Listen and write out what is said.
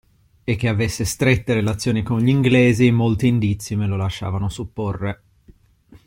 E che avesse strette relazioni con gli inglesi, molti indizi me lo lasciavano supporre.